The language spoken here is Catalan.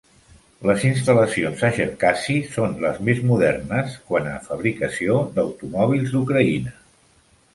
Les instal·lacions a Cherkasy són les més modernes quant a fabricació d'automòbils d'Ucraïna.